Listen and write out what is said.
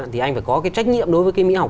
thì anh phải có cái trách nhiệm đối với cái mỹ học